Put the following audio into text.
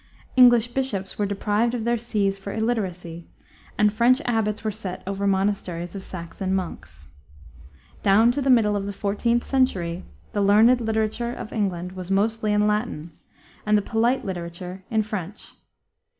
English bishops were deprived of their sees for illiteracy, and French abbots were set over monasteries of Saxon monks. Down to the middle of the 14th century the learned literature of England was mostly in Latin, and the polite literature in French.